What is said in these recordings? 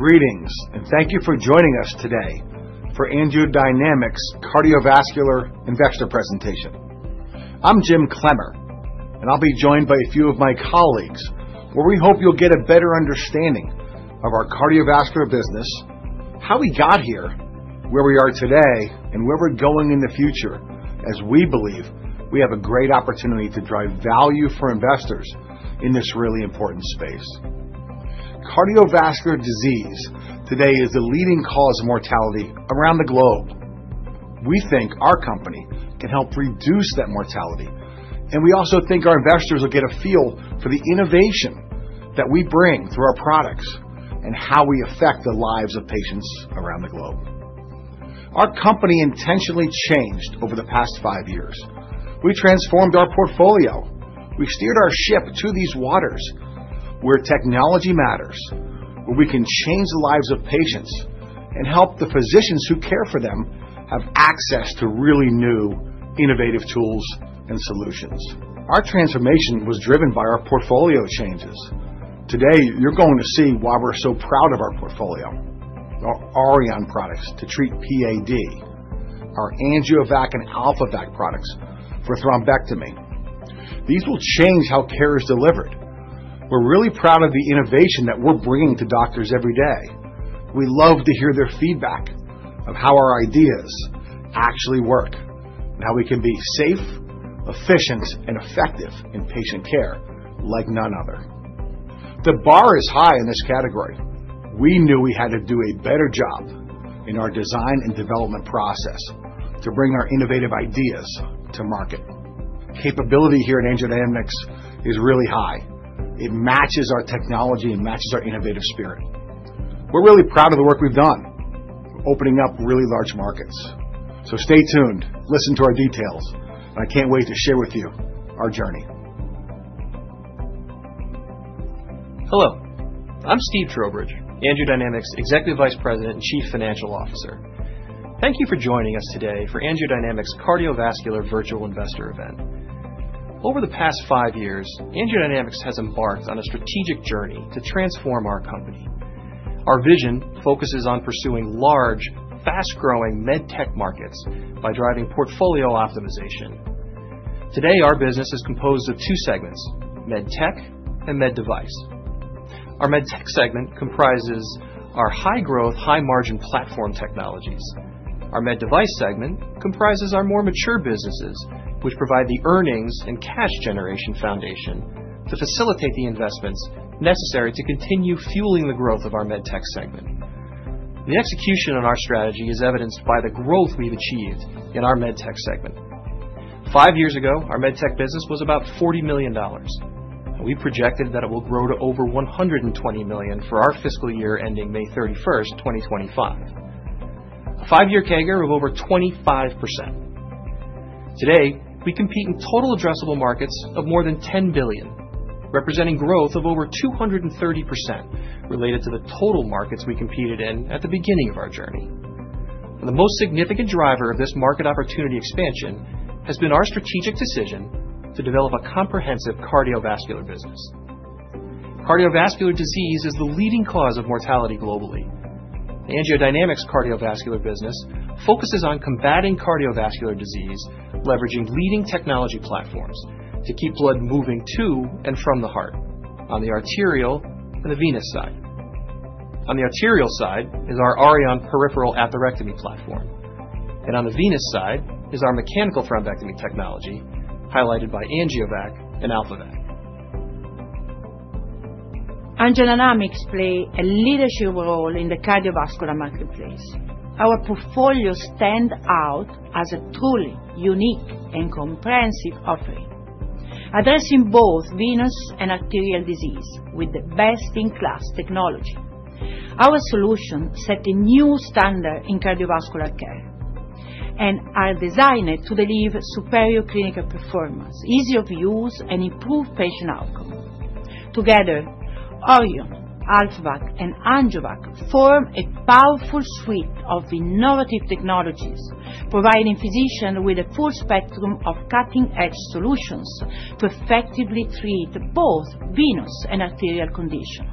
Greetings, and thank you for joining us today for AngioDynamics' cardiovascular and VEXTRA presentation. I'm Jim Clemmer, and I'll be joined by a few of my colleagues where we hope you'll get a better understanding of our cardiovascular business, how we got here, where we are today, and where we're going in the future as we believe we have a great opportunity to drive value for investors in this really important space. Cardiovascular disease today is the leading cause of mortality around the globe. We think our company can help reduce that mortality, and we also think our investors will get a feel for the innovation that we bring through our products and how we affect the lives of patients around the globe. Our company intentionally changed over the past five years. We transformed our portfolio. We steered our ship to these waters where technology matters, where we can change the lives of patients and help the physicians who care for them have access to really new, innovative tools and solutions. Our transformation was driven by our portfolio changes. Today, you're going to see why we're so proud of our portfolio. Our Auryon products to treat PAD, our AngioVac and AlphaVac products for thrombectomy. These will change how care is delivered. We're really proud of the innovation that we're bringing to doctors every day. We love to hear their feedback of how our ideas actually work and how we can be safe, efficient, and effective in patient care like none other. The bar is high in this category. We knew we had to do a better job in our design and development process to bring our innovative ideas to market. Capability here at AngioDynamics is really high. It matches our technology and matches our innovative spirit. We're really proud of the work we've done opening up really large markets. Stay tuned. Listen to our details, and I can't wait to share with you our journey. Hello. I'm Steve Trowbridge, AngioDynamics' Executive Vice President and Chief Financial Officer. Thank you for joining us today for AngioDynamics' cardiovascular virtual investor event. Over the past five years, AngioDynamics has embarked on a strategic journey to transform our company. Our vision focuses on pursuing large, fast-growing med tech markets by driving portfolio optimization. Today, our business is composed of two segments: med tech and med device. Our med tech segment comprises our high-growth, high-margin platform technologies. Our med device segment comprises our more mature businesses, which provide the earnings and cash generation foundation to facilitate the investments necessary to continue fueling the growth of our med tech segment. The execution on our strategy is evidenced by the growth we've achieved in our med tech segment. Five years ago, our med tech business was about $40 million, and we projected that it will grow to over $120 million for our fiscal year ending May 31, 2025, a five-year CAGR of over 25%. Today, we compete in total addressable markets of more than $10 billion, representing growth of over 230% related to the total markets we competed in at the beginning of our journey. The most significant driver of this market opportunity expansion has been our strategic decision to develop a comprehensive cardiovascular business. Cardiovascular disease is the leading cause of mortality globally. AngioDynamics' cardiovascular business focuses on combating cardiovascular disease, leveraging leading technology platforms to keep blood moving to and from the heart on the arterial and the venous side. On the arterial side is our Auryon peripheral atherectomy platform, and on the venous side is our mechanical thrombectomy technology highlighted by AngioVac and AlphaVac. AngioDynamics plays a leadership role in the cardiovascular marketplace. Our portfolio stands out as a truly unique and comprehensive offering, addressing both venous and arterial disease with the best-in-class technology. Our solutions set a new standard in cardiovascular care and are designed to deliver superior clinical performance, ease of use, and improved patient outcomes. Together, Auryon, AlphaVac, and AngioVac form a powerful suite of innovative technologies, providing physicians with a full spectrum of cutting-edge solutions to effectively treat both venous and arterial conditions.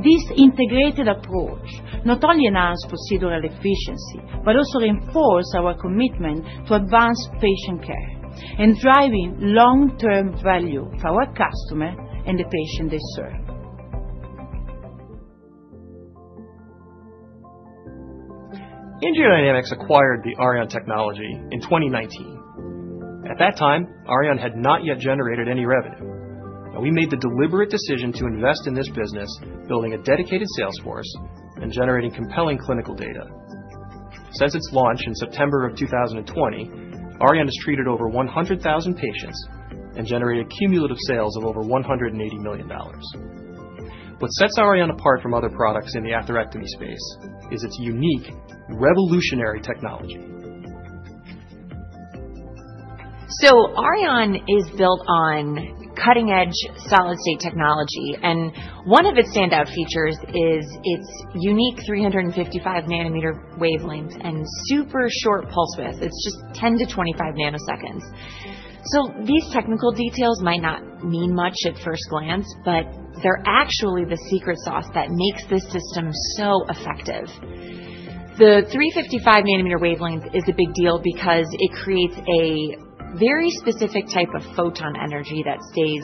This integrated approach not only enhances procedural efficiency but also reinforces our commitment to advanced patient care and drives long-term value for our customers and the patients they serve. AngioDynamics acquired the Auryon technology in 2019. At that time, Auryon had not yet generated any revenue, and we made the deliberate decision to invest in this business, building a dedicated sales force and generating compelling clinical data. Since its launch in September of 2020, Auryon has treated over 100,000 patients and generated cumulative sales of over $180 million. What sets Auryon apart from other products in the atherectomy space is its unique, revolutionary technology. Auryon is built on cutting-edge solid-state technology, and one of its standout features is its unique 355-nanometer wavelength and super short pulse width. It's just 10 to 25 nanoseconds. These technical details might not mean much at first glance, but they're actually the secret sauce that makes this system so effective. The 355-nanometer wavelength is a big deal because it creates a very specific type of photon energy that stays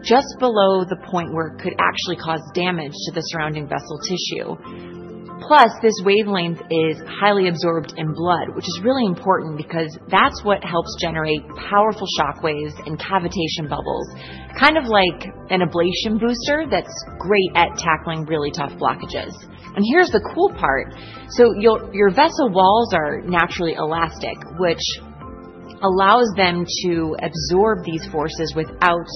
just below the point where it could actually cause damage to the surrounding vessel tissue. Plus, this wavelength is highly absorbed in blood, which is really important because that's what helps generate powerful shockwaves and cavitation bubbles, kind of like an ablation booster that's great at tackling really tough blockages. Here's the cool part. Your vessel walls are naturally elastic, which allows them to absorb these forces without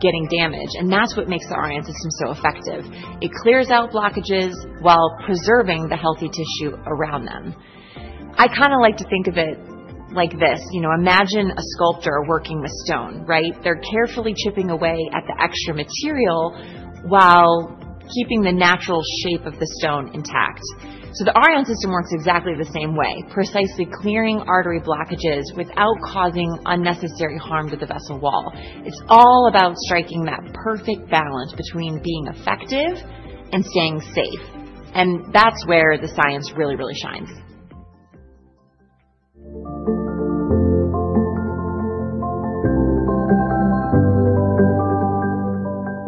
getting damaged, and that's what makes the Auryon system so effective. It clears out blockages while preserving the healthy tissue around them. I kind of like to think of it like this. You know, imagine a sculptor working with stone, right? They're carefully chipping away at the extra material while keeping the natural shape of the stone intact. The Auryon system works exactly the same way, precisely clearing artery blockages without causing unnecessary harm to the vessel wall. It's all about striking that perfect balance between being effective and staying safe, and that's where the science really, really shines.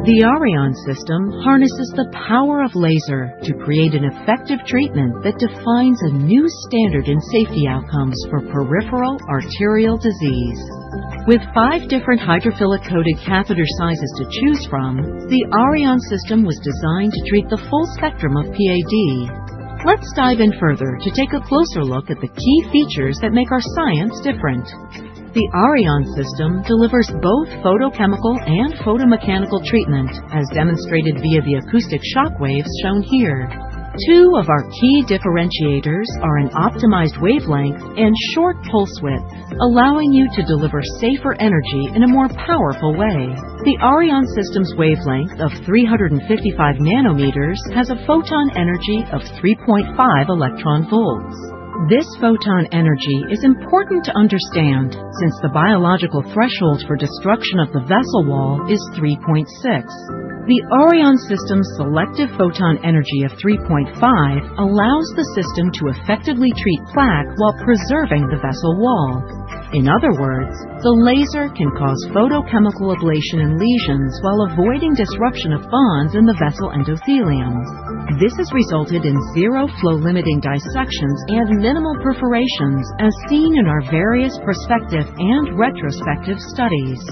The Auryon system harnesses the power of laser to create an effective treatment that defines a new standard in safety outcomes for peripheral arterial disease. With five different hydrophilic-coated catheter sizes to choose from, the Auryon system was designed to treat the full spectrum of PAD. Let's dive in further to take a closer look at the key features that make our science different. The Auryon system delivers both photochemical and photomechanical treatment, as demonstrated via the acoustic shockwaves shown here. Two of our key differentiators are an optimized wavelength and short pulse width, allowing you to deliver safer energy in a more powerful way. The Auryon system's wavelength of 355 nanometers has a photon energy of 3.5 electron volts. This photon energy is important to understand since the biological threshold for destruction of the vessel wall is 3.6. The Auryon system's selective photon energy of 3.5 allows the system to effectively treat plaque while preserving the vessel wall. In other words, the laser can cause photochemical ablation and lesions while avoiding disruption of bonds in the vessel endothelium. This has resulted in zero flow-limiting dissections and minimal perforations, as seen in our various prospective and retrospective studies.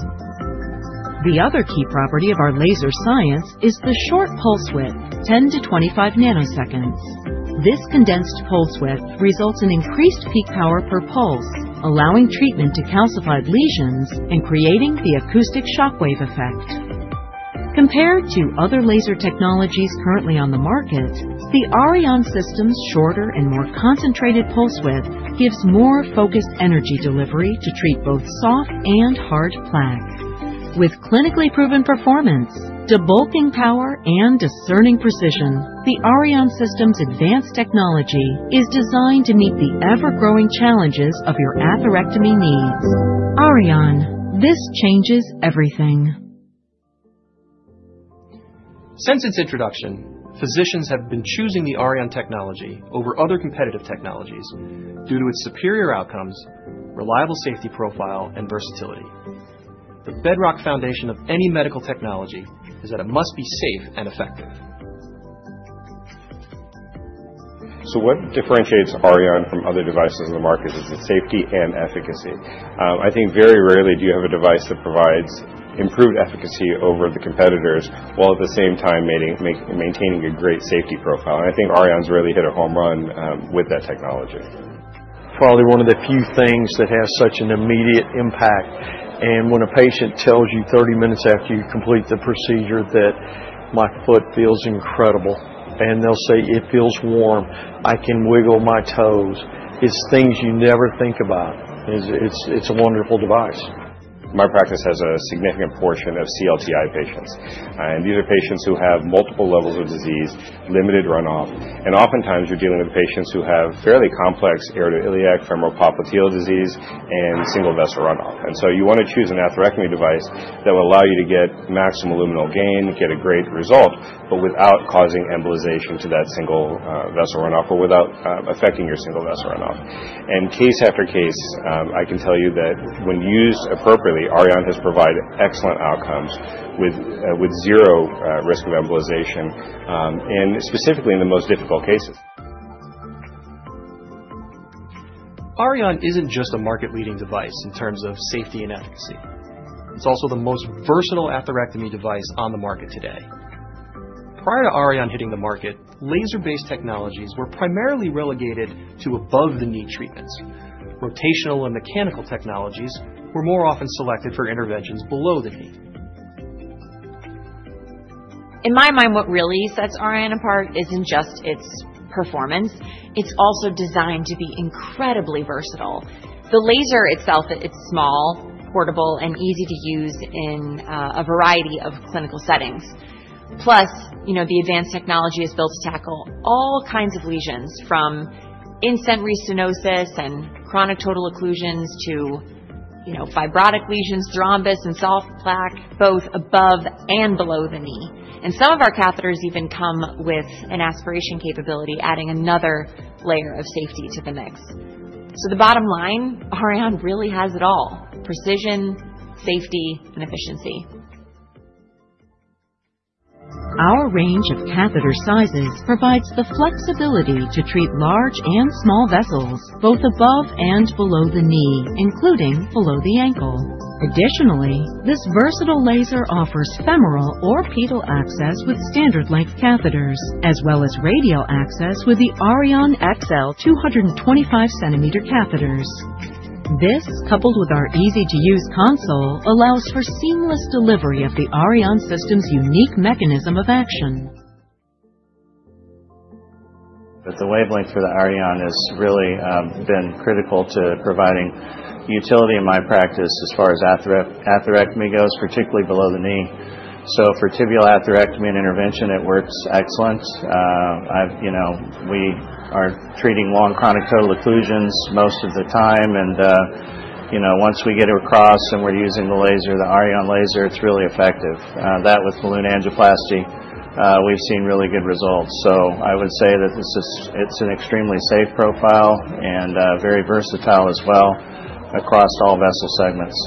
The other key property of our laser science is the short pulse width, 10-25 nanoseconds. This condensed pulse width results in increased peak power per pulse, allowing treatment to calcified lesions and creating the acoustic shockwave effect. Compared to other laser technologies currently on the market, the Auryon system's shorter and more concentrated pulse width gives more focused energy delivery to treat both soft and hard plaque. With clinically proven performance, debulking power, and discerning precision, the Auryon system's advanced technology is designed to meet the ever-growing challenges of your atherectomy needs. Auryon, this changes everything. Since its introduction, physicians have been choosing the Auryon technology over other competitive technologies due to its superior outcomes, reliable safety profile, and versatility. The bedrock foundation of any medical technology is that it must be safe and effective. What differentiates Auryon from other devices in the market is its safety and efficacy. I think very rarely do you have a device that provides improved efficacy over the competitors while at the same time maintaining a great safety profile, and I think Auryon's really hit a home run with that technology. Probably one of the few things that has such an immediate impact, and when a patient tells you 30 minutes after you complete the procedure that, "My foot feels incredible," and they'll say, "It feels warm. I can wiggle my toes." It's things you never think about. It's a wonderful device. My practice has a significant portion of CLTI patients, and these are patients who have multiple levels of disease, limited runoff, and oftentimes you're dealing with patients who have fairly complex aortoiliac, femoral popliteal disease, and single-vessel runoff. You want to choose an atherectomy device that will allow you to get maximum luminal gain, get a great result, but without causing embolization to that single-vessel runoff or without affecting your single-vessel runoff. Case after case, I can tell you that when used appropriately, Auryon has provided excellent outcomes with zero risk of embolization, and specifically in the most difficult cases. Auryon isn't just a market-leading device in terms of safety and efficacy. It's also the most versatile atherectomy device on the market today. Prior to Auryon hitting the market, laser-based technologies were primarily relegated to above-the-knee treatments. Rotational and mechanical technologies were more often selected for interventions below the knee. In my mind, what really sets Auryon apart isn't just its performance. It's also designed to be incredibly versatile. The laser itself, it's small, portable, and easy to use in a variety of clinical settings. Plus, you know, the advanced technology is built to tackle all kinds of lesions, from in-stent restenosis and chronic total occlusions to, you know, fibrotic lesions, thrombus, and soft plaque, both above and below the knee. Some of our catheters even come with an aspiration capability, adding another layer of safety to the mix. The bottom line, Auryon really has it all: precision, safety, and efficiency. Our range of catheter sizes provides the flexibility to treat large and small vessels, both above and below the knee, including below the ankle. Additionally, this versatile laser offers femoral or pedal access with standard-length catheters, as well as radial access with the Auryon XL 225-centimeter catheters. This, coupled with our easy-to-use console, allows for seamless delivery of the Auryon system's unique mechanism of action. The wavelength for the Auryon has really been critical to providing utility in my practice as far as atherectomy goes, particularly below the knee. So for tibial atherectomy and intervention, it works excellent. You know, we are treating long chronic total occlusions most of the time, and, you know, once we get it across and we're using the laser, the Auryon laser, it's really effective. That with balloon angioplasty, we've seen really good results. So I would say that it's an extremely safe profile and very versatile as well across all vessel segments.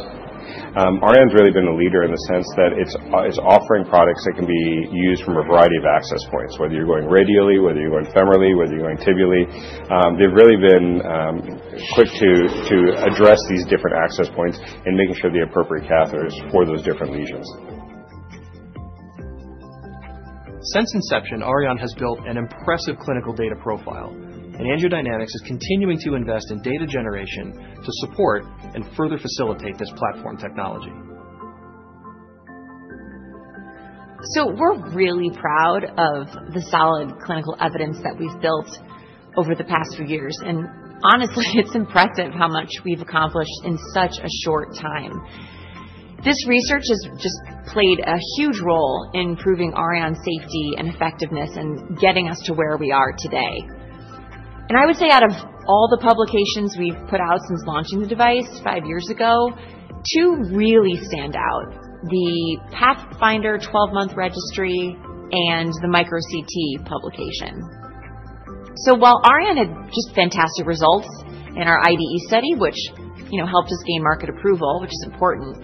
Auryon's really been a leader in the sense that it's offering products that can be used from a variety of access points, whether you're going radially, whether you're going femorally, whether you're going tibially. They've really been quick to address these different access points and making sure the appropriate catheters for those different lesions. Since inception, Auryon has built an impressive clinical data profile, and AngioDynamics is continuing to invest in data generation to support and further facilitate this platform technology. We're really proud of the solid clinical evidence that we've built over the past few years, and honestly, it's impressive how much we've accomplished in such a short time. This research has just played a huge role in proving Auryon's safety and effectiveness and getting us to where we are today. I would say out of all the publications we've put out since launching the device five years ago, two really stand out: the Pathfinder 12-month registry and the micro CT publication. While Auryon had just fantastic results in our IDE study, which, you know, helped us gain market approval, which is important,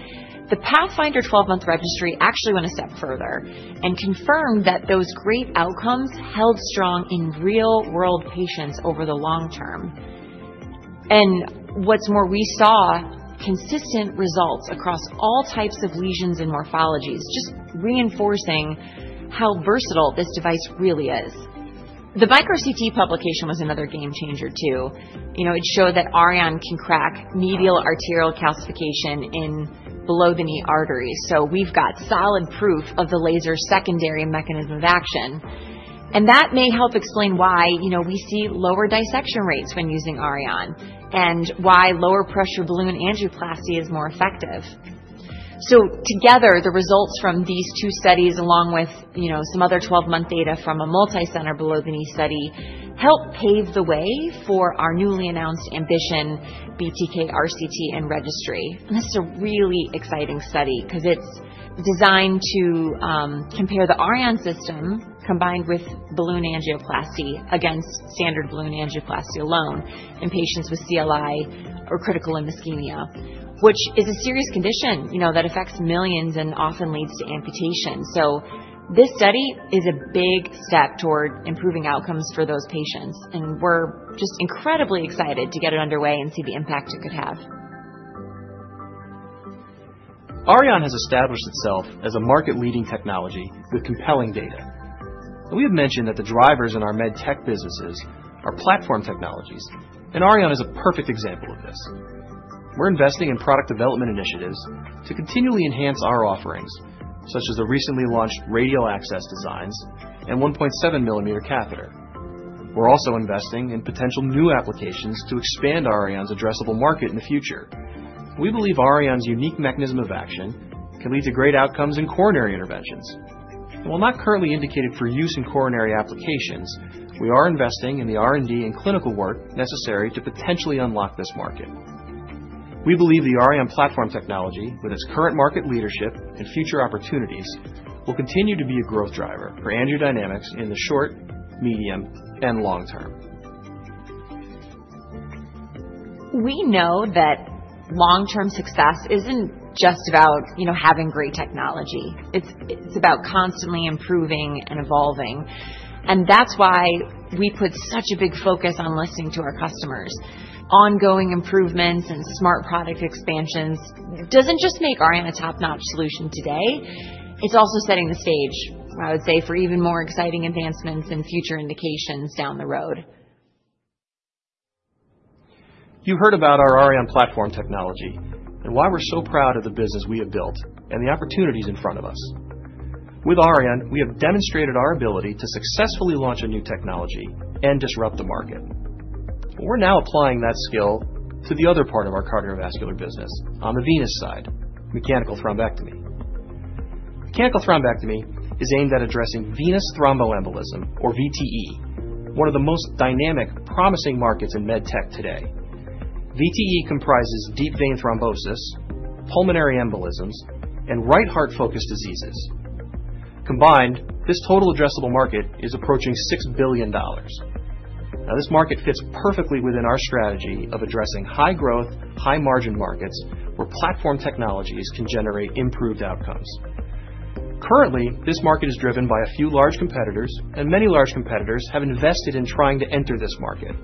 the Pathfinder 12-month registry actually went a step further and confirmed that those great outcomes held strong in real-world patients over the long term. What's more, we saw consistent results across all types of lesions and morphologies, just reinforcing how versatile this device really is. The micro CT publication was another game changer, too. You know, it showed that Auryon can crack medial arterial calcification in below-the-knee arteries. We have solid proof of the laser's secondary mechanism of action, and that may help explain why, you know, we see lower dissection rates when using Auryon and why lower-pressure balloon angioplasty is more effective. Together, the results from these two studies, along with, you know, some other 12-month data from a multicenter below-the-knee study, help pave the way for our newly announced Ambition BTK RCT and registry. This is a really exciting study because it's designed to compare the Auryon system combined with balloon angioplasty against standard balloon angioplasty alone in patients with CLI or critical limb ischemia, which is a serious condition, you know, that affects millions and often leads to amputation. This study is a big step toward improving outcomes for those patients, and we're just incredibly excited to get it underway and see the impact it could have. Auryon has established itself as a market-leading technology with compelling data. We have mentioned that the drivers in our med tech businesses are platform technologies, and Auryon is a perfect example of this. We're investing in product development initiatives to continually enhance our offerings, such as the recently launched radial access designs and 1.7-millimeter catheter. We're also investing in potential new applications to expand Auryon's addressable market in the future. We believe Auryon's unique mechanism of action can lead to great outcomes in coronary interventions. While not currently indicated for use in coronary applications, we are investing in the R&D and clinical work necessary to potentially unlock this market. We believe the Auryon platform technology, with its current market leadership and future opportunities, will continue to be a growth driver for AngioDynamics in the short, medium, and long term. We know that long-term success isn't just about, you know, having great technology. It's about constantly improving and evolving, and that's why we put such a big focus on listening to our customers. Ongoing improvements and smart product expansions don't just make Auryon a top-notch solution today. It's also setting the stage, I would say, for even more exciting advancements and future indications down the road. You heard about our Auryon platform technology and why we're so proud of the business we have built and the opportunities in front of us. With Auryon, we have demonstrated our ability to successfully launch a new technology and disrupt the market. We're now applying that skill to the other part of our cardiovascular business on the venous side, mechanical thrombectomy. Mechanical thrombectomy is aimed at addressing venous thromboembolism, or VTE, one of the most dynamic, promising markets in med tech today. VTE comprises deep vein thrombosis, pulmonary embolisms, and right heart-focused diseases. Combined, this total addressable market is approaching $6 billion. Now, this market fits perfectly within our strategy of addressing high-growth, high-margin markets where platform technologies can generate improved outcomes. Currently, this market is driven by a few large competitors, and many large competitors have invested in trying to enter this market.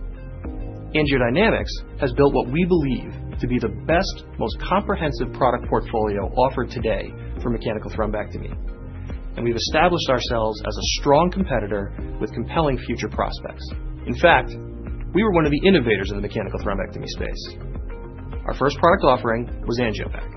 AngioDynamics has built what we believe to be the best, most comprehensive product portfolio offered today for mechanical thrombectomy, and we've established ourselves as a strong competitor with compelling future prospects. In fact, we were one of the innovators in the mechanical thrombectomy space. Our first product offering was AngioVac.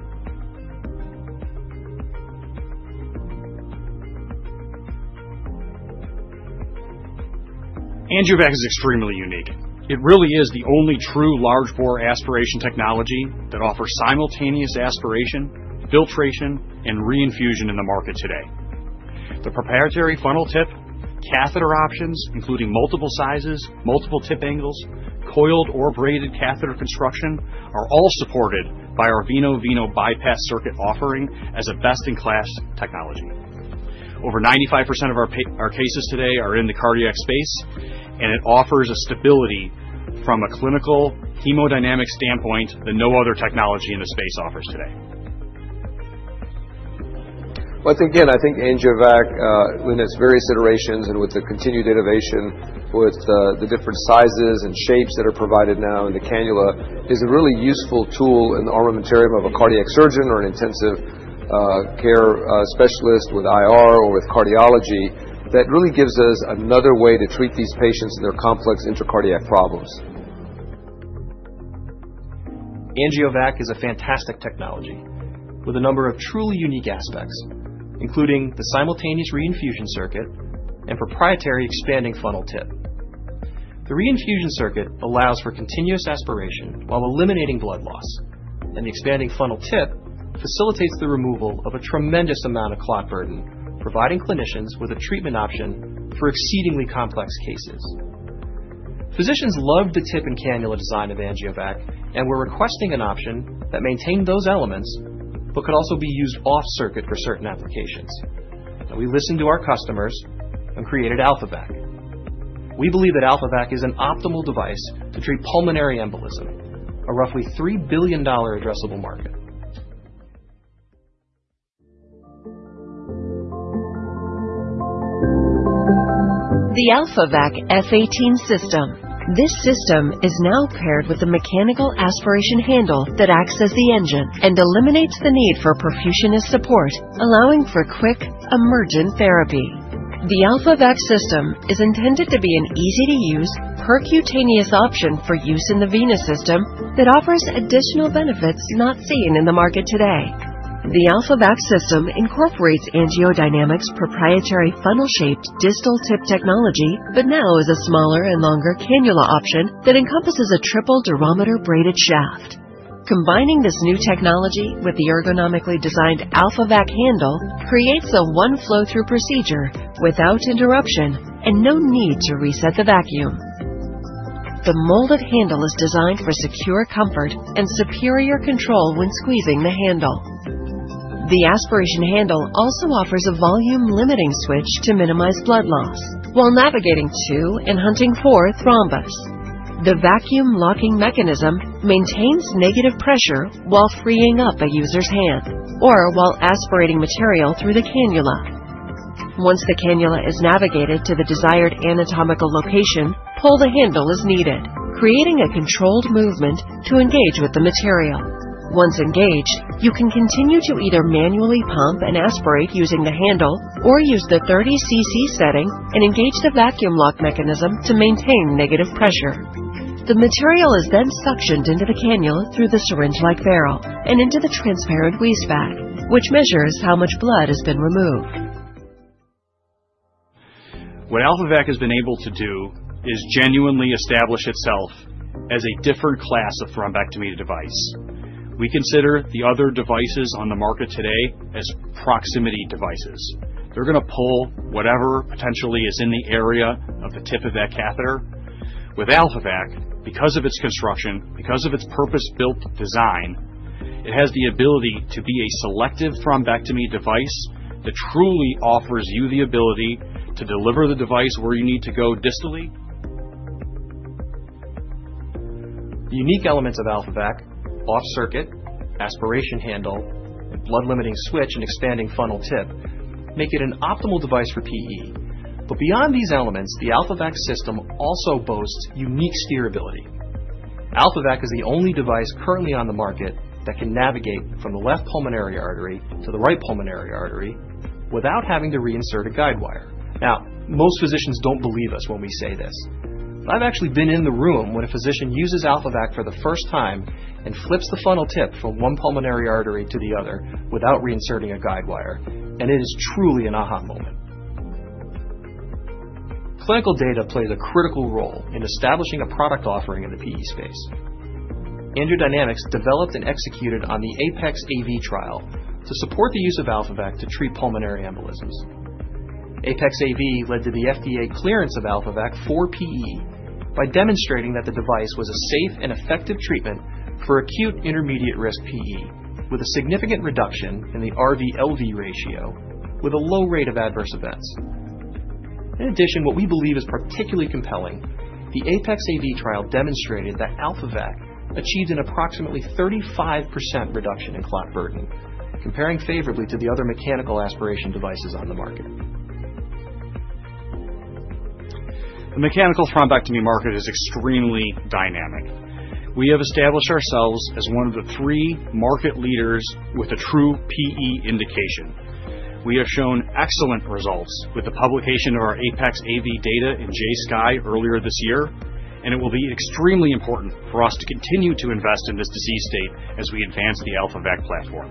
AngioVac is extremely unique. It really is the only true large-bore aspiration technology that offers simultaneous aspiration, filtration, and re-infusion in the market today. The proprietary funnel tip, catheter options, including multiple sizes, multiple tip angles, coiled or braided catheter construction, are all supported by our Veno-Veno bypass circuit offering as a best-in-class technology. Over 95% of our cases today are in the cardiac space, and it offers a stability from a clinical hemodynamic standpoint that no other technology in the space offers today. I think, again, I think AngioVac, in its various iterations and with the continued innovation with the different sizes and shapes that are provided now in the cannula, is a really useful tool in the armamentarium of a cardiac surgeon or an intensive care specialist with IR or with cardiology that really gives us another way to treat these patients and their complex intracardiac problems. AngioVac is a fantastic technology with a number of truly unique aspects, including the simultaneous re-infusion circuit and proprietary expanding funnel tip. The re-infusion circuit allows for continuous aspiration while eliminating blood loss, and the expanding funnel tip facilitates the removal of a tremendous amount of clot burden, providing clinicians with a treatment option for exceedingly complex cases. Physicians loved the tip and cannula design of AngioVac and were requesting an option that maintained those elements but could also be used off-circuit for certain applications. We listened to our customers and created AlphaVac. We believe that AlphaVac is an optimal device to treat pulmonary embolism, a roughly $3 billion addressable market. The AlphaVac F18 system. This system is now paired with a mechanical aspiration handle that acts as the engine and eliminates the need for perfusionist support, allowing for quick emergent therapy. The AlphaVac system is intended to be an easy-to-use percutaneous option for use in the venous system that offers additional benefits not seen in the market today. The AlphaVac system incorporates AngioDynamics' proprietary funnel-shaped distal tip technology, but now is a smaller and longer cannula option that encompasses a triple durometer braided shaft. Combining this new technology with the ergonomically designed AlphaVac handle creates a one-flow-through procedure without interruption and no need to reset the vacuum. The molded handle is designed for secure comfort and superior control when squeezing the handle. The aspiration handle also offers a volume-limiting switch to minimize blood loss while navigating two and hunting four thrombus. The vacuum locking mechanism maintains negative pressure while freeing up a user's hand or while aspirating material through the cannula. Once the cannula is navigated to the desired anatomical location, pull the handle as needed, creating a controlled movement to engage with the material. Once engaged, you can continue to either manually pump and aspirate using the handle or use the 30 cc setting and engage the vacuum lock mechanism to maintain negative pressure. The material is then suctioned into the cannula through the syringe-like barrel and into the transparent waistband, which measures how much blood has been removed. What AlphaVac has been able to do is genuinely establish itself as a different class of thrombectomy device. We consider the other devices on the market today as proximity devices. They're going to pull whatever potentially is in the area of the tip of that catheter. With AlphaVac, because of its construction, because of its purpose-built design, it has the ability to be a selective thrombectomy device that truly offers you the ability to deliver the device where you need to go distally. The unique elements of AlphaVac, off-circuit, aspiration handle, and blood-limiting switch and expanding funnel tip make it an optimal device for PE. Beyond these elements, the AlphaVac system also boasts unique steerability. AlphaVac is the only device currently on the market that can navigate from the left pulmonary artery to the right pulmonary artery without having to reinsert a guidewire. Now, most physicians don't believe us when we say this, but I've actually been in the room when a physician uses AlphaVac for the first time and flips the funnel tip from one pulmonary artery to the other without reinserting a guidewire, and it is truly an aha moment. Clinical data plays a critical role in establishing a product offering in the PE space. AngioDynamics developed and executed on the APEX AV trial to support the use of AlphaVac to treat pulmonary embolisms. APEX AV led to the FDA clearance of AlphaVac for PE by demonstrating that the device was a safe and effective treatment for acute intermediate-risk PE, with a significant reduction in the RV-LV ratio, with a low rate of adverse events. In addition, what we believe is particularly compelling, the APEX AV trial demonstrated that AlphaVac achieved an approximately 35% reduction in clot burden, comparing favorably to the other mechanical aspiration devices on the market. The mechanical thrombectomy market is extremely dynamic. We have established ourselves as one of the three market leaders with a true PE indication. We have shown excellent results with the publication of our APEX AV data in JSCAI earlier this year, and it will be extremely important for us to continue to invest in this disease state as we advance the AlphaVac platform.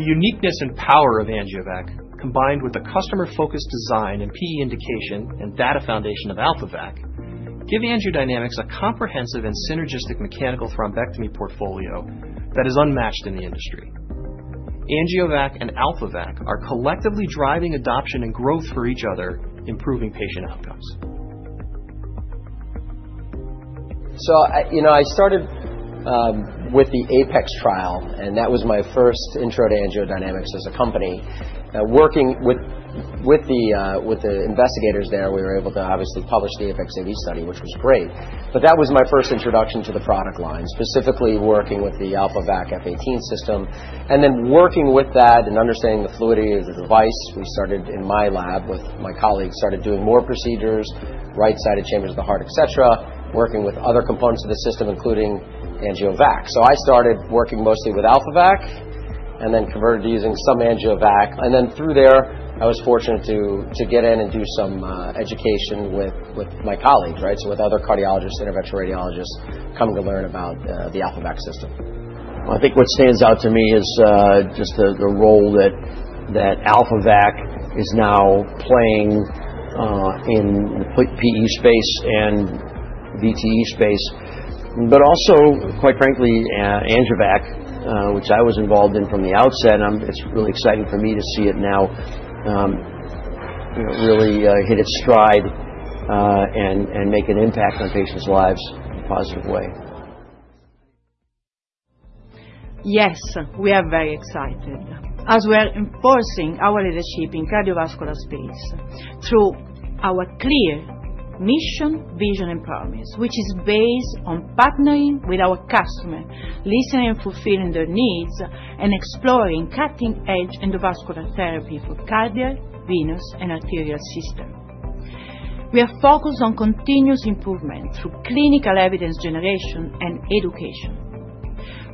The uniqueness and power of AngioVac, combined with the customer-focused design and PE indication and data foundation of AlphaVac, give AngioDynamics a comprehensive and synergistic mechanical thrombectomy portfolio that is unmatched in the industry. AngioVac and AlphaVac are collectively driving adoption and growth for each other, improving patient outcomes. You know, I started with the APEX trial, and that was my first intro to AngioDynamics as a company. Working with the investigators there, we were able to obviously publish the APEX AV study, which was great, but that was my first introduction to the product line, specifically working with the AlphaVac F18 system. Working with that and understanding the fluidity of the device, we started in my lab with my colleagues, started doing more procedures, right-sided chambers of the heart, et cetera, working with other components of the system, including AngioVac. I started working mostly with AlphaVac and then converted to using some AngioVac, and through there, I was fortunate to get in and do some education with my colleagues, right, so with other cardiologists, interventional radiologists, coming to learn about the AlphaVac system. I think what stands out to me is just the role that AlphaVac is now playing in the PE space and VTE space, but also, quite frankly, AngioVac, which I was involved in from the outset, and it's really exciting for me to see it now really hit its stride and make an impact on patients' lives in a positive way. Yes, we are very excited as we are enforcing our leadership in the cardiovascular space through our clear mission, vision, and promise, which is based on partnering with our customers, listening and fulfilling their needs, and exploring cutting-edge endovascular therapy for cardiac, venous, and arterial systems. We are focused on continuous improvement through clinical evidence generation and education.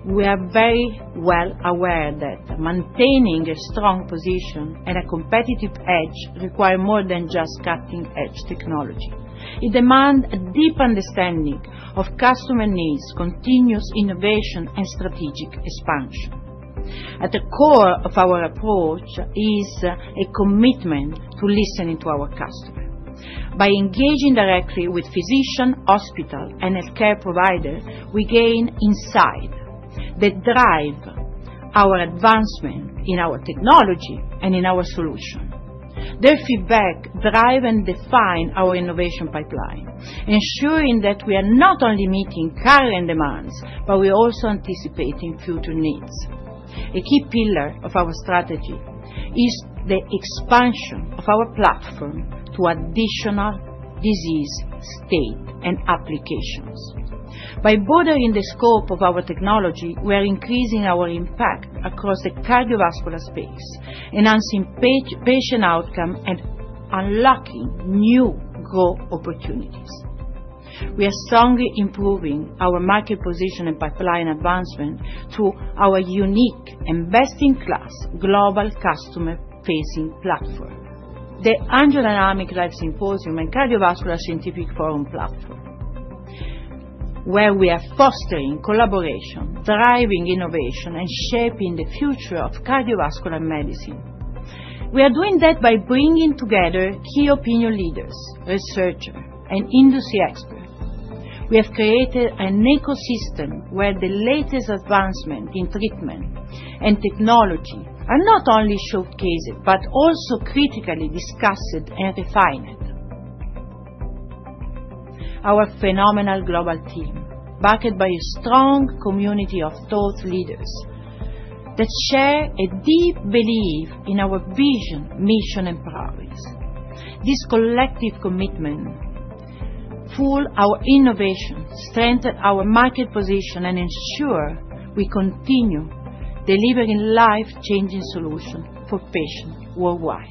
We are very well aware that maintaining a strong position and a competitive edge requires more than just cutting-edge technology. It demands a deep understanding of customer needs, continuous innovation, and strategic expansion. At the core of our approach is a commitment to listening to our customers. By engaging directly with physicians, hospitals, and healthcare providers, we gain insights that drive our advancement in our technology and in our solution. Their feedback drives and defines our innovation pipeline, ensuring that we are not only meeting current demands, but we are also anticipating future needs. A key pillar of our strategy is the expansion of our platform to additional disease states and applications. By broadening the scope of our technology, we are increasing our impact across the cardiovascular space, enhancing patient outcomes and unlocking new growth opportunities. We are strongly improving our market position and pipeline advancement through our unique and best-in-class global customer-facing platform, the AngioDynamics Life Symposium and Cardiovascular Scientific Forum platform, where we are fostering collaboration, driving innovation, and shaping the future of cardiovascular medicine. We are doing that by bringing together key opinion leaders, researchers, and industry experts. We have created an ecosystem where the latest advancements in treatment and technology are not only showcased but also critically discussed and refined. Our phenomenal global team, backed by a strong community of thought leaders that share a deep belief in our vision, mission, and promise. This collective commitment fuels our innovation, strengthens our market position, and ensures we continue delivering life-changing solutions for patients worldwide.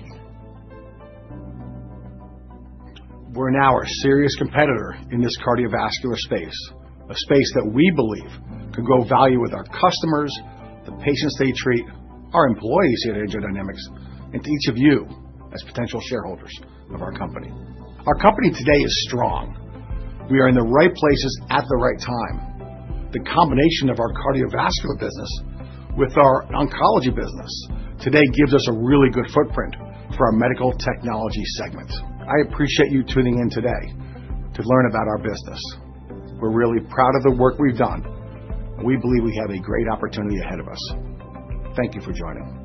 We're now a serious competitor in this cardiovascular space, a space that we believe can grow value with our customers, the patients they treat, our employees at AngioDynamics, and each of you as potential shareholders of our company. Our company today is strong. We are in the right places at the right time. The combination of our cardiovascular business with our oncology business today gives us a really good footprint for our medical technology segment. I appreciate you tuning in today to learn about our business. We're really proud of the work we've done, and we believe we have a great opportunity ahead of us. Thank you for joining.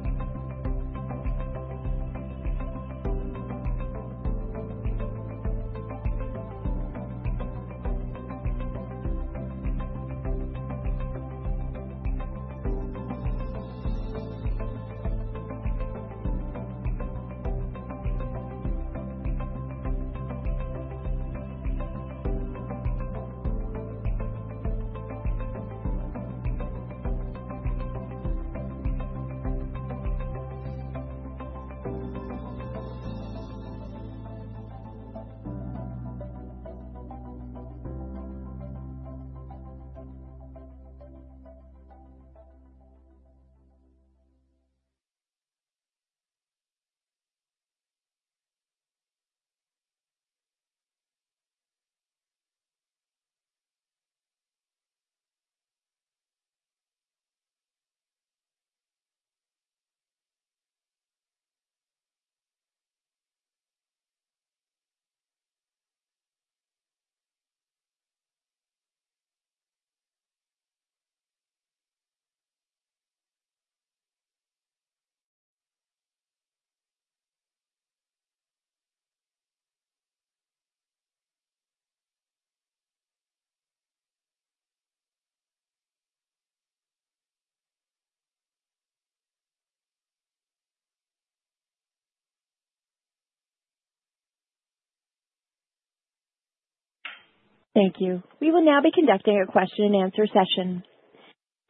Thank you. We will now be conducting a question-and-answer session.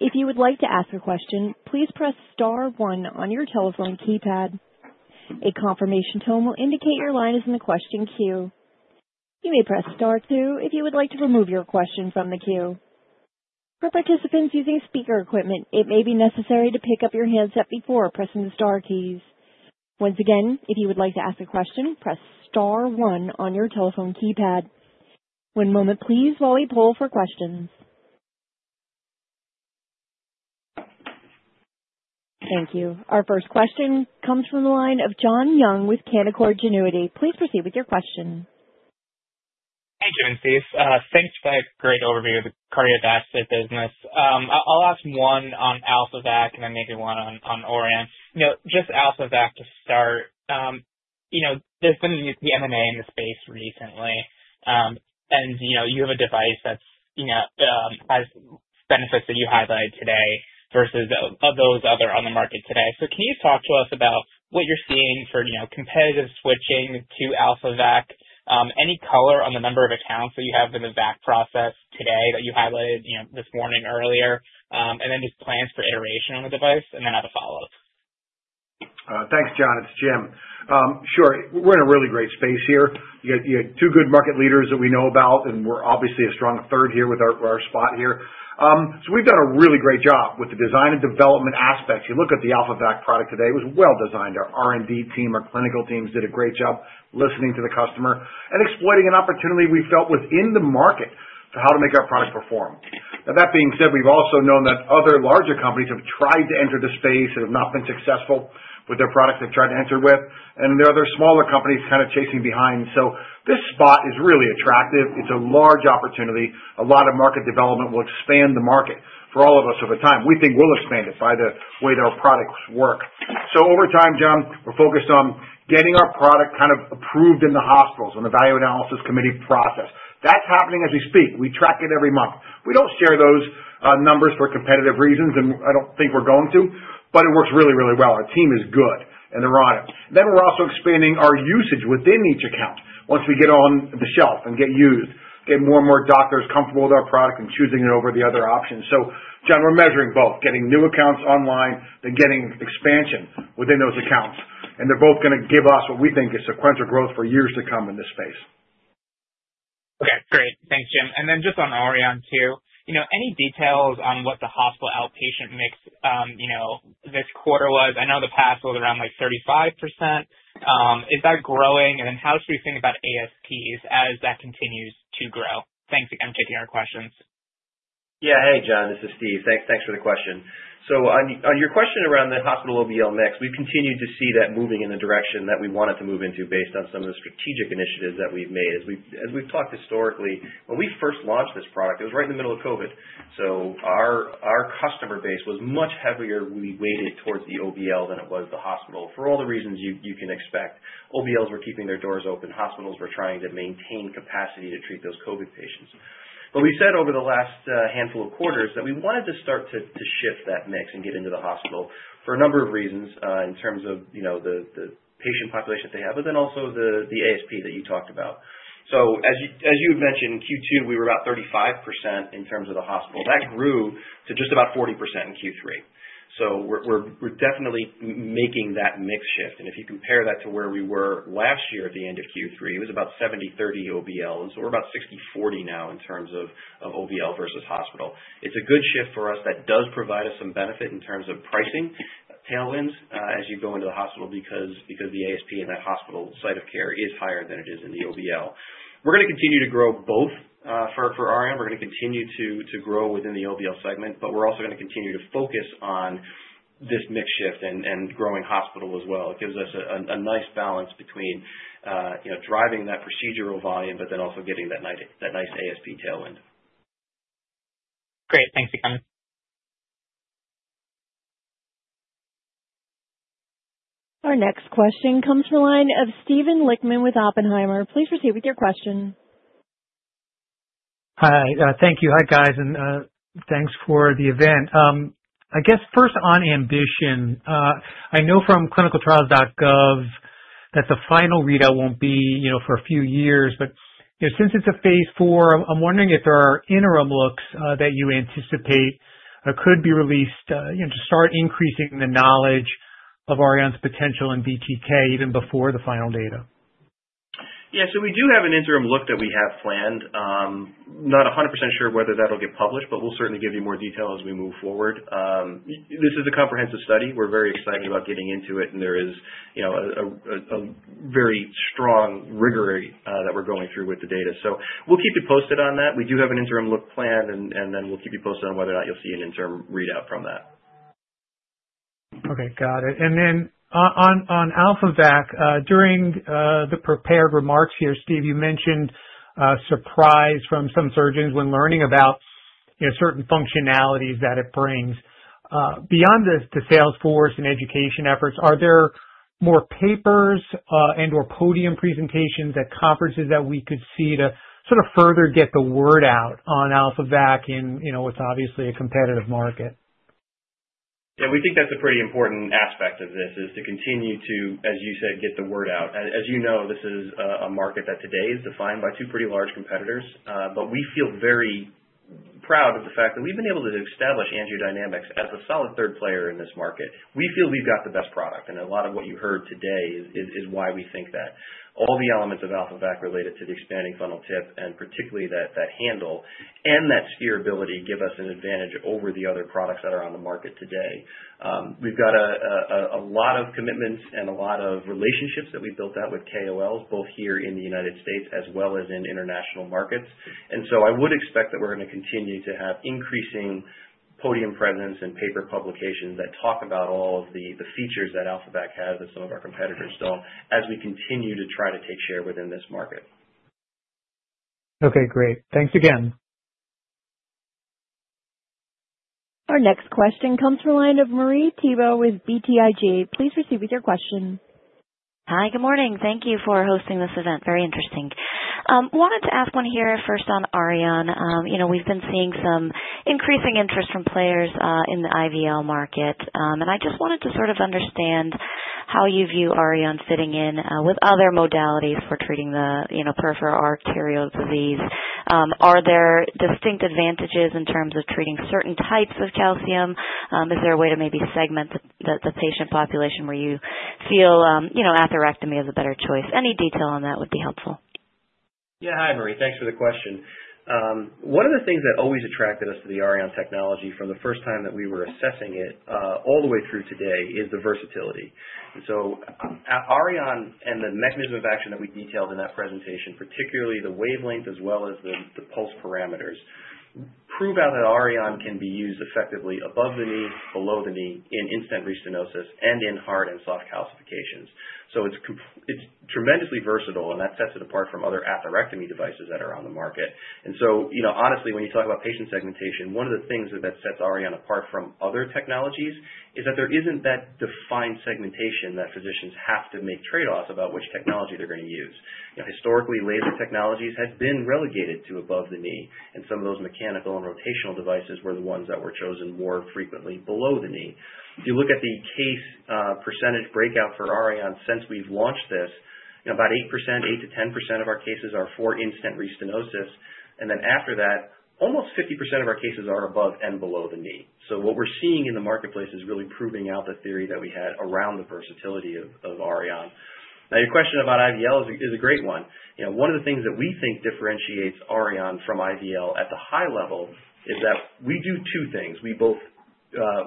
If you would like to ask a question, please press Star 1 on your telephone keypad. A confirmation tone will indicate your line is in the question queue. You may press Star 2 if you would like to remove your question from the queue. For participants using speaker equipment, it may be necessary to pick up your handset before pressing the Star keys. Once again, if you would like to ask a question, press Star 1 on your telephone keypad. One moment, please, while we pull for questions. Thank you. Our first question comes from the line of John Young with Canaccord Genuity. Please proceed with your question. Hey, Jim and Steve. Thanks for that great overview of the cardiovascular business. I'll ask one on AlphaVac, and then maybe one on Auryon. Just AlphaVac to start, there's been the M&A in the space recently, and you have a device that has benefits that you highlighted today versus those other on the market today. Can you talk to us about what you're seeing for competitive switching to AlphaVac? Any color on the number of accounts that you have in the VAC process today that you highlighted this morning earlier, and then just plans for iteration on the device, and then have a follow-up? Thanks, John. It's Jim. Sure. We're in a really great space here. You have two good market leaders that we know about, and we're obviously a strong third here with our spot here. We've done a really great job with the design and development aspects. You look at the AlphaVac product today, it was well designed. Our R&D team, our clinical teams did a great job listening to the customer and exploiting an opportunity we felt was in the market for how to make our product perform. That being said, we've also known that other larger companies have tried to enter the space and have not been successful with their products they've tried to enter with, and there are other smaller companies kind of chasing behind. This spot is really attractive. It's a large opportunity. A lot of market development will expand the market for all of us over time. We think we'll expand it by the way that our products work. Over time, John, we're focused on getting our product kind of approved in the hospitals and the value analysis committee process. That's happening as we speak. We track it every month. We don't share those numbers for competitive reasons, and I don't think we're going to, but it works really, really well. Our team is good, and they're on it. We are also expanding our usage within each account once we get on the shelf and get used, get more and more doctors comfortable with our product and choosing it over the other options. John, we're measuring both, getting new accounts online, then getting expansion within those accounts, and they're both going to give us what we think is sequential growth for years to come in this space. Okay. Great. Thanks, Jim. And then just on Auryon too, any details on what the hospital outpatient mix this quarter was? I know the past was around like 35%. Is that growing? And then how should we think about ASPs as that continues to grow? Thanks again for taking our questions. Yeah. Hey, John. This is Steve. Thanks for the question. On your question around the hospital OBL mix, we've continued to see that moving in the direction that we want it to move into based on some of the strategic initiatives that we've made. As we've talked historically, when we first launched this product, it was right in the middle of COVID. Our customer base was much heavier when we weighted towards the OBL than it was the hospital for all the reasons you can expect. OBLs were keeping their doors open. Hospitals were trying to maintain capacity to treat those COVID patients. We said over the last handful of quarters that we wanted to start to shift that mix and get into the hospital for a number of reasons in terms of the patient population that they have, but then also the ASP that you talked about. As you had mentioned, Q2, we were about 35% in terms of the hospital. That grew to just about 40% in Q3. We are definitely making that mix shift. If you compare that to where we were last year at the end of Q3, it was about 70/30 OBL, and we are about 60/40 now in terms of OBL versus hospital. It is a good shift for us that does provide us some benefit in terms of pricing, tailwinds as you go into the hospital because the ASP in that hospital site of care is higher than it is in the OBL. We're going to continue to grow both for Auryon. We're going to continue to grow within the OBL segment, but we're also going to continue to focus on this mix shift and growing hospital as well. It gives us a nice balance between driving that procedural volume but then also getting that nice ASP tailwind. Great. Thanks again. Our next question comes from the line of Steven Lichtman with Oppenheimer. Please proceed with your question. Hi. Thank you. Hi, guys, and thanks for the event. I guess first on ambition, I know from clinicaltrials.gov that the final readout will not be for a few years, but since it is a phase four, I am wondering if there are interim looks that you anticipate could be released to start increasing the knowledge of Auryon's potential in BTK even before the final data. Yeah. We do have an interim look that we have planned. Not 100% sure whether that'll get published, but we'll certainly give you more detail as we move forward. This is a comprehensive study. We're very excited about getting into it, and there is a very strong rigor that we're going through with the data. We'll keep you posted on that. We do have an interim look planned, and we'll keep you posted on whether or not you'll see an interim readout from that. Okay. Got it. On AlphaVac, during the prepared remarks here, Steve, you mentioned surprise from some surgeons when learning about certain functionalities that it brings. Beyond the sales force and education efforts, are there more papers and/or podium presentations at conferences that we could see to sort of further get the word out on AlphaVac in what is obviously a competitive market? Yeah. We think that's a pretty important aspect of this is to continue to, as you said, get the word out. As you know, this is a market that today is defined by two pretty large competitors, but we feel very proud of the fact that we've been able to establish AngioDynamics as a solid third player in this market. We feel we've got the best product, and a lot of what you heard today is why we think that. All the elements of AlphaVac related to the expanding funnel tip and particularly that handle and that steerability give us an advantage over the other products that are on the market today. We've got a lot of commitments and a lot of relationships that we've built out with KOLs, both here in the United States as well as in international markets. I would expect that we're going to continue to have increasing podium presence and paper publications that talk about all of the features that AlphaVac has that some of our competitors don't as we continue to try to take share within this market. Okay. Great. Thanks again. Our next question comes from the line of Marie Thibault with BTIG. Please proceed with your question. Hi. Good morning. Thank you for hosting this event. Very interesting. Wanted to ask one here first on Auryon. We've been seeing some increasing interest from players in the IVL market, and I just wanted to sort of understand how you view Auryon fitting in with other modalities for treating the peripheral arterial disease. Are there distinct advantages in terms of treating certain types of calcium? Is there a way to maybe segment the patient population where you feel atherectomy is a better choice? Any detail on that would be helpful. Yeah. Hi, Marie. Thanks for the question. One of the things that always attracted us to the Auryon technology from the first time that we were assessing it all the way through today is the versatility. Auryon and the mechanism of action that we detailed in that presentation, particularly the wavelength as well as the pulse parameters, prove out that Auryon can be used effectively above the knee, below the knee, in in-stent restenosis, and in hard and soft calcifications. It is tremendously versatile, and that sets it apart from other atherectomy devices that are on the market. Honestly, when you talk about patient segmentation, one of the things that sets Auryon apart from other technologies is that there is not that defined segmentation that physicians have to make trade-offs about which technology they are going to use. Historically, laser technologies have been relegated to above the knee, and some of those mechanical and rotational devices were the ones that were chosen more frequently below the knee. If you look at the case percentage breakout for Auryon since we've launched this, about 8%, 8-10% of our cases are for in-stent restenosis, and then after that, almost 50% of our cases are above and below the knee. What we're seeing in the marketplace is really proving out the theory that we had around the versatility of Auryon. Now, your question about IVL is a great one. One of the things that we think differentiates Auryon from IVL at the high level is that we do two things. We both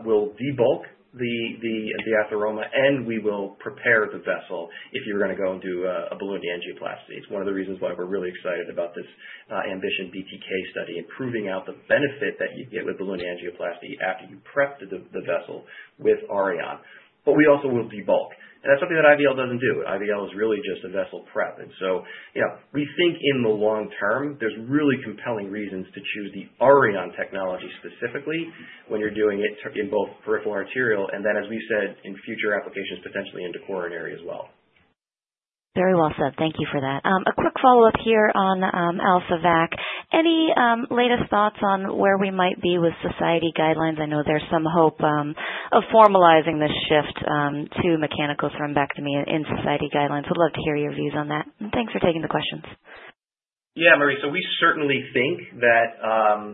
will debulk the atheroma, and we will prepare the vessel if you're going to go and do a balloon angioplasty. It's one of the reasons why we're really excited about this Ambition BTK study and proving out the benefit that you get with balloon angioplasty after you prep the vessel with Auryon. We also will debulk, and that's something that IVL doesn't do. IVL is really just a vessel prep. We think in the long term, there's really compelling reasons to choose the Auryon technology specifically when you're doing it in both peripheral arterial and then, as we said, in future applications potentially into coronary as well. Very well said. Thank you for that. A quick follow-up here on AlphaVac. Any latest thoughts on where we might be with society guidelines? I know there's some hope of formalizing this shift to mechanical thrombectomy in society guidelines. We'd love to hear your views on that. Thank you for taking the questions. Yeah, Marie. We certainly think that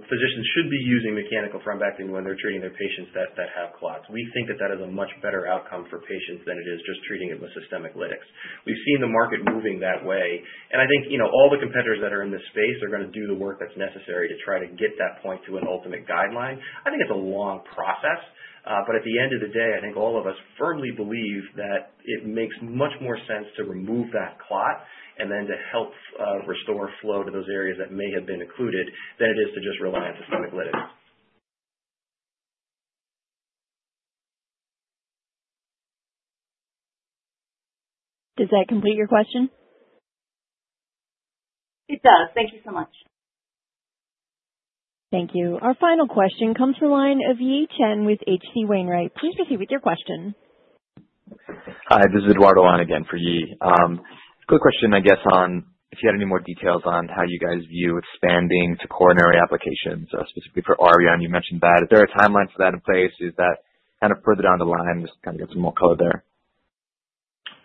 physicians should be using mechanical thrombectomy when they're treating their patients that have clots. We think that that is a much better outcome for patients than it is just treating it with systemic lytics. We've seen the market moving that way, and I think all the competitors that are in this space are going to do the work that's necessary to try to get that point to an ultimate guideline. I think it's a long process, but at the end of the day, I think all of us firmly believe that it makes much more sense to remove that clot and then to help restore flow to those areas that may have been occluded than it is to just rely on systemic lytics. Does that complete your question? It does. Thank you so much. Thank you. Our final question comes from the line of Yi Chen with HC Wainwright. Please proceed with your question. Hi. This is Eduardo Montez again for Yi. Quick question, I guess, on if you had any more details on how you guys view expanding to coronary applications specifically for Auryon. You mentioned that. Is there a timeline for that in place? Is that kind of further down the line? Just kind of get some more color there.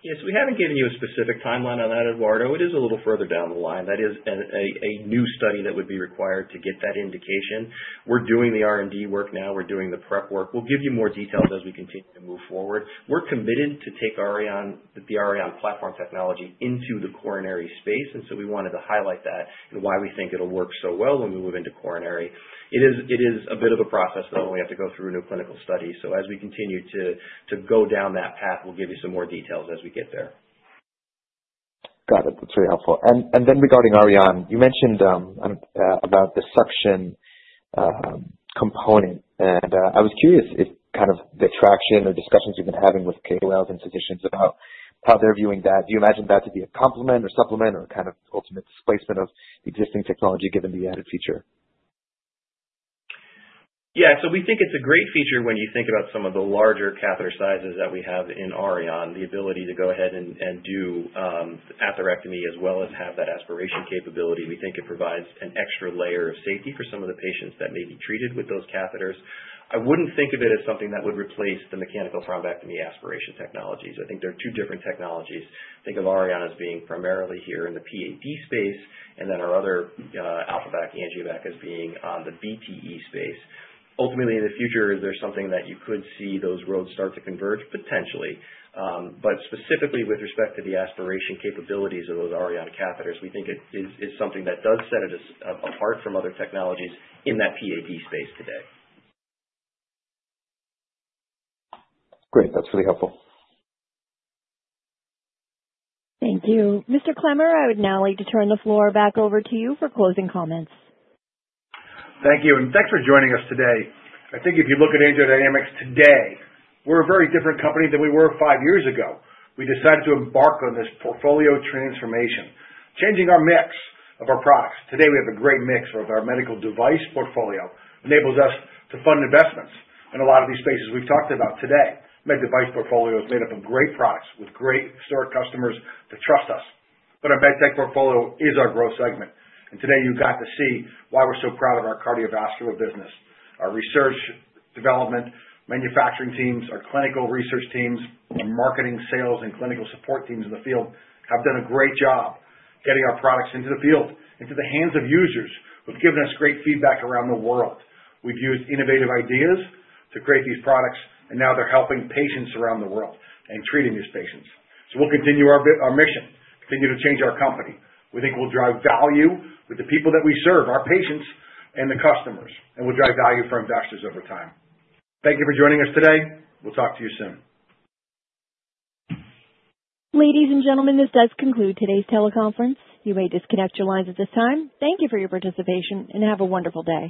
Yes. We haven't given you a specific timeline on that, Eduardo. It is a little further down the line. That is a new study that would be required to get that indication. We're doing the R&D work now. We're doing the prep work. We'll give you more details as we continue to move forward. We're committed to take the Auryon platform technology into the coronary space, and so we wanted to highlight that and why we think it'll work so well when we move into coronary. It is a bit of a process, though, and we have to go through a new clinical study. As we continue to go down that path, we'll give you some more details as we get there. Got it. That's very helpful. Regarding Auryon, you mentioned about the suction component, and I was curious if kind of the traction or discussions you've been having with KOLs and physicians about how they're viewing that. Do you imagine that to be a complement or supplement or kind of ultimate displacement of existing technology given the added feature? Yeah. We think it's a great feature when you think about some of the larger catheter sizes that we have in Auryon, the ability to go ahead and do atherectomy as well as have that aspiration capability. We think it provides an extra layer of safety for some of the patients that may be treated with those catheters. I wouldn't think of it as something that would replace the mechanical thrombectomy aspiration technologies. I think they're two different technologies. Think of Auryon as being primarily here in the PAD space, and then our other AlphaVac, AngioVac as being on the VTE space. Ultimately, in the future, is there something that you could see those roads start to converge? Potentially. Specifically with respect to the aspiration capabilities of those Auryon catheters, we think it is something that does set it apart from other technologies in that PAD space today. Great. That's really helpful. Thank you. Mr. Clemmer, I would now like to turn the floor back over to you for closing comments. Thank you. Thanks for joining us today. I think if you look at AngioDynamics today, we're a very different company than we were five years ago. We decided to embark on this portfolio transformation, changing our mix of our products. Today, we have a great mix of our medical device portfolio that enables us to fund investments in a lot of these spaces we've talked about today. Med device portfolio is made up of great products with great historic customers that trust us. Our med tech portfolio is our growth segment, and today you got to see why we're so proud of our cardiovascular business. Our research, development, manufacturing teams, our clinical research teams, our marketing, sales, and clinical support teams in the field have done a great job getting our products into the field, into the hands of users. They've given us great feedback around the world. We've used innovative ideas to create these products, and now they're helping patients around the world and treating these patients. We'll continue our mission, continue to change our company. We think we'll drive value with the people that we serve, our patients, and the customers, and we'll drive value for investors over time. Thank you for joining us today. We'll talk to you soon. Ladies and gentlemen, this does conclude today's teleconference. You may disconnect your lines at this time. Thank you for your participation, and have a wonderful day.